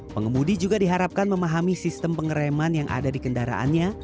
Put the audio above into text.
pengemudi juga diharapkan memahami sistem pengereman yang ada di kendaraannya